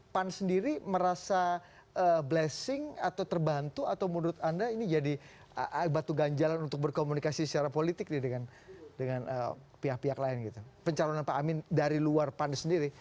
pan sendiri merasa blessing atau terbantu atau menurut anda ini jadi batu ganjalan untuk berkomunikasi secara politik dengan pihak pihak lain gitu pencalonan pak amin dari luar pan sendiri